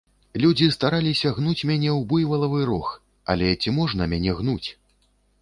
Людзі стараліся гнуць мяне ў буйвалавы рог, але ці можна мяне гнуць?